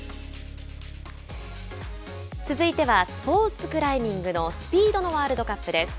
続いてはスポーツクライミングのスピードのワールドカップです。